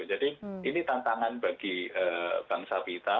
jadi ini tantangan bagi bangsa kita